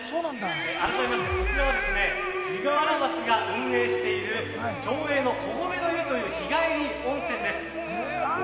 あらためまして、こちらは湯河原町が運営している町営のこごめの湯という日帰り温泉です。